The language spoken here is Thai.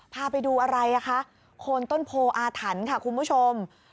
พาไปดูอะไรอ่ะคะโคนต้นโพออาถรรพ์ค่ะคุณผู้ชม